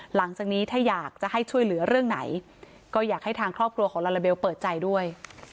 หลังจากนี้ถ้าอยากจะให้ช่วยเหลือเรื่องไหนก็อยากให้ทางครอบครัวของลาลาเบลเปิดใจด้วย